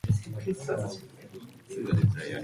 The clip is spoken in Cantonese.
北角新都城大廈後巷休憩處建造工程